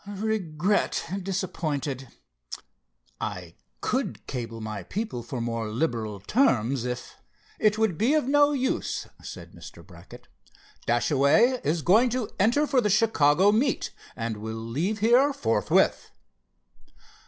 "Regret—disappointed. I could cable my people for more liberal terms if——" "It would be of no use," said Mr. Brackett. "Dashaway is going to enter for the Chicago meet, and will leave here forthwith."